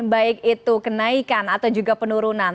baik itu kenaikan atau juga penurunan